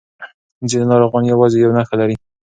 ځینې ناروغان یوازې یو نښه لري.